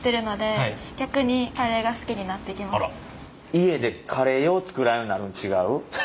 家でカレーよう作らんようになるん違う？